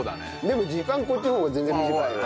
でも時間こっちの方が全然短いよ。